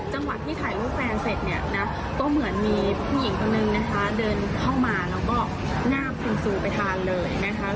จังหวะที่ถ่ายรูปแฟนเสร็จเนี่ยนะก็เหมือนมีผู้หญิงคนนึงนะคะเดินเข้ามาแล้วก็งาบคุณซูไปทานเลยนะคะ